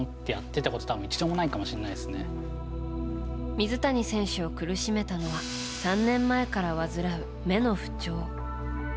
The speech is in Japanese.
水谷選手を苦しめたのは３年前から患う目の不調。